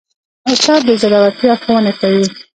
استاد د زړورتیا ښوونه کوي.